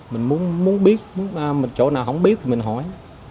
mình muốn biết mình chỗ nào không biết thì mình hỏi